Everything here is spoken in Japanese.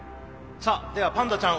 さあではパンダちゃん